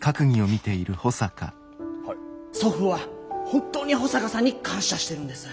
祖父は本当に保坂さんに感謝してるんです。